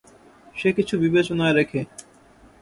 সে কিছু বিবেচনায় রেখে!